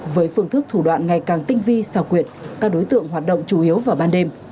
với phương thức thủ đoạn ngày càng tinh vi xảo quyệt các đối tượng hoạt động chủ yếu vào ban đêm